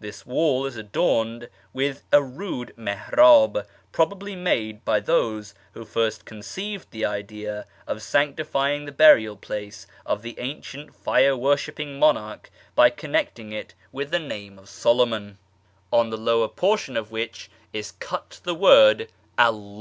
This wall is adorned with a rude miJin'ib (probably made by those who first conceived the idea of sanctifying the burial place of the ancient fire worshipping monarch by connecting it with the name of Solomon), on the lower portion of which is 16 242 A YEAR AMONGST THE PERSIANS cut the word AlU'ili.